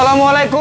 ya allah esa